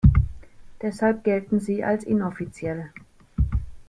Deshalb gelten sie als inoffiziell.